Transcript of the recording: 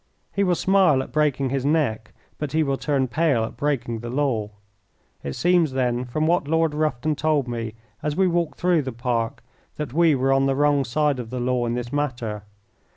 He will smile at breaking his neck, but he will turn pale at breaking the law. It seems, then, from what Lord Rufton told me as we walked through the park, that we were on the wrong side of the law in this matter.